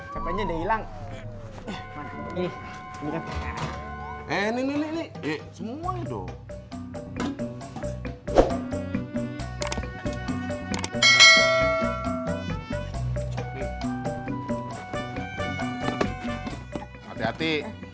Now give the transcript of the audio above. capeknya hilang ini nih nih nih nih nih semua doh hati hati